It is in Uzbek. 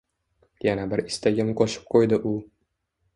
Yana bir istagim qo’shib qo’ydi u.